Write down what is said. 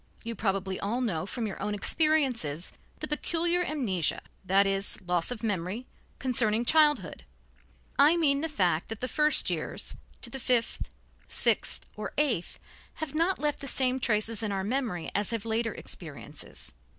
You probably all know from your own experiences the peculiar amnesia, that is, loss of memory, concerning childhood. I mean the fact that the first years, to the fifth, sixth or eighth, have not left the same traces in our memory as have later experiences.